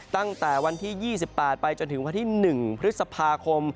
ตั้งแต่วันที่๒๘ไปจนถึงวันที่๑พฤษภาคม